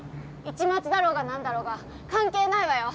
市松だろうが何だろうが関係ないわよ。